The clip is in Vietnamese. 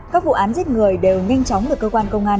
các vụ án giết người đều nhanh chóng được cơ quan công an